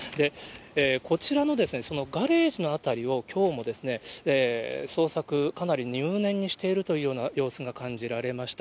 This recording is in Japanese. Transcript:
こちらの、そのガレージの辺りを、きょうも捜索、かなり入念にしているというような様子が感じられました。